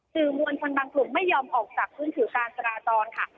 จืมวลพรรณบางกลุ่มไม่ยอมออกจากคืนถือการจราตรนค่ะ